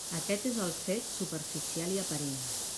Aquest és el fet superficial i aparent.